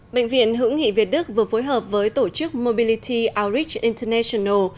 bệnh viện hữu nghị việt đức vừa phối hợp với tổ chức mobility aric international